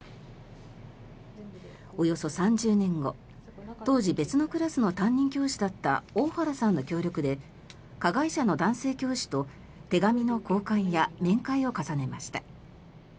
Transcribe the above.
およそ３０年後当時別のクラスの担任教師だった大原さんの協力で加害者の男性教師と手紙の交換や面会を重ねました。